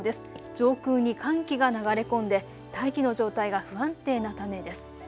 上空に寒気が流れ込んで大気の状態が不安定なためです。